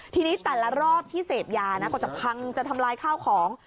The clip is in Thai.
ทีนี้แต่ละรอบที่เสพยานะก็จะพังจะทำลายข้าวของ